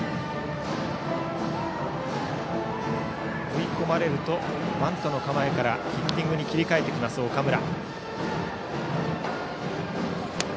追い込まれるとバントの構えからヒッティングに切り替えてくる岡村。